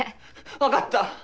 分かった！